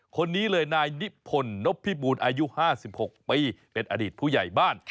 คนนี้เลยนายนิพพลนพอายุ๕๖เป็นอดีตผู้ใหญ่บ้าน